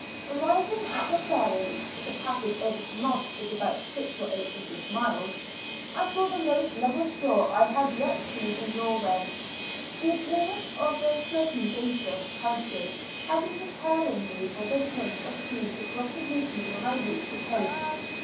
Arriving at the ferry (the passage over to Moss is about six or eight English miles) I saw the most level shore I had yet seen in Norway. The appearance of the circumjacent country had been preparing me for the change of scene which was to greet me when I reached the coast.